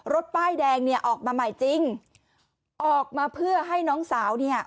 ป้ายแดงเนี่ยออกมาใหม่จริงออกมาเพื่อให้น้องสาวเนี่ย